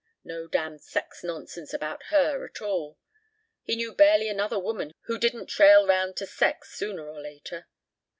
No damned sex nonsense about her at all. He knew barely another woman who didn't trail round to sex sooner or later.